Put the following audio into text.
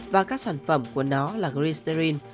và các sản phẩm của nó là glycerin